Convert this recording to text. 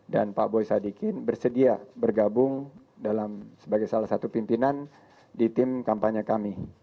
dan pak boy sadikin bersedia bergabung sebagai salah satu pimpinan di tim kampanye kami